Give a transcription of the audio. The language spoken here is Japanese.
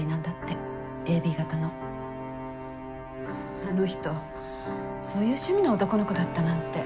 あの人そういう趣味の男の子だったなんて。